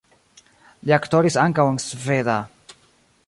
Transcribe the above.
Li aktoris ankaŭ en sveda.